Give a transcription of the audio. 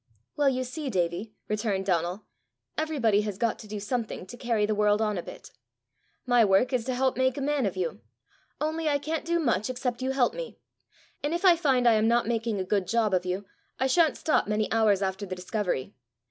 "Well, you see, Davie," returned Donal, "everybody has got to do something to carry the world on a bit: my work is to help make a man of you. Only I can't do much except you help me; and if I find I am not making a good job of you, I shan't stop many hours after the discovery.